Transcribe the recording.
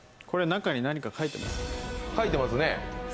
これ、中に何か書いていますね。